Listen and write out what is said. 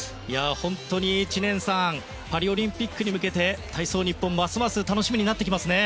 本当に、知念さんパリオリンピックに向けて体操日本、ますます楽しみになってきますね。